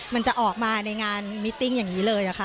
มันจะออกมาในงานมิตติ้งอย่างนี้เลยค่ะ